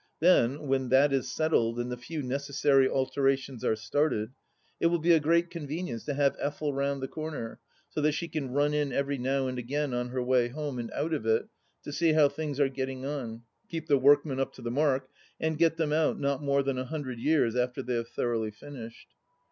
Then, when that is settled and the few necessary alterations are started, it will be a great convenience to have Effel round the comer, so that she can run in every now and again on her way home and out of it, to see how things are getting on, keep the workmen up to the mark, and get them out not more than a himdred years after they have thoroughly finished.